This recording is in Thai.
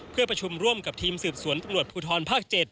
เพื่อประชุมร่วมกับทีมสืบสวนตำรวจภูทรภาค๗